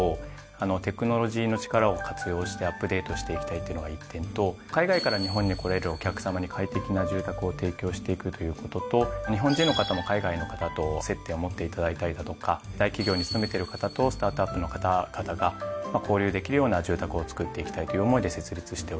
っていうのが１点と海外から日本に来られるお客さまに快適な住宅を提供していくということと日本人の方も海外の方と接点を持っていただいたりだとか大企業に勤めてる方とスタートアップの方々が交流できるような住宅をつくっていきたいという思いで設立しております。